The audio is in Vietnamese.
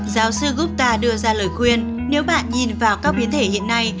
giáo sư gota đưa ra lời khuyên nếu bạn nhìn vào các biến thể hiện nay